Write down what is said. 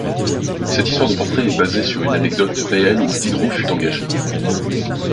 Cette histoire de portraits est basée sur une anecdote réelle où Diderot fut engagé.